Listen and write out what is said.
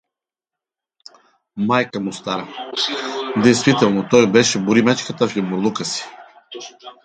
Майка му стара… Действително, той беше Боримечката, в ямурлука си.